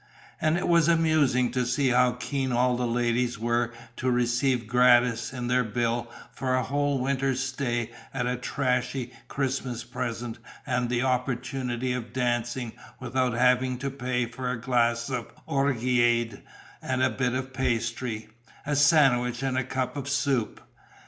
And it was amusing to see how keen all the ladies were to receive gratis in their bill for a whole winter's stay a trashy Christmas present and the opportunity of dancing without having to pay for a glass of orgeade and a bit of pastry, a sandwich and a cup of soup.